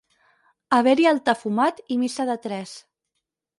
Haver-hi altar fumat i missa de tres.